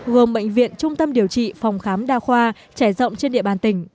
gồm bệnh viện trung tâm điều trị phòng khám đa khoa trẻ rộng trên địa bàn tỉnh